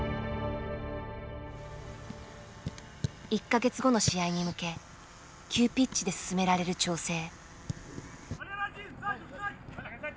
１か月後の試合に向け急ピッチで進められる調整。